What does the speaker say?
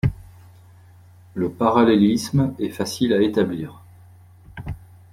Le parallélisme est facile à établir.